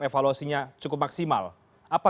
evaluasinya cukup maksimal apa